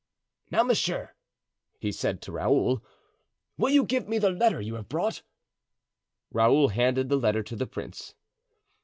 "Now, monsieur," he said to Raoul, "will you give me the letter you have brought?" Raoul handed the letter to the prince.